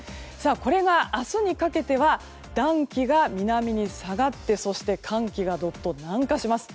これが明日にかけては暖気が南に下がってそして寒気がどっと南下します。